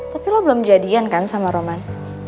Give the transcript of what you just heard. tapi lo belum jadian kan sama roman